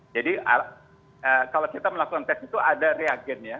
jadi kalau kita melakukan tes itu ada reagen ya